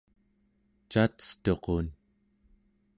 cacetuqun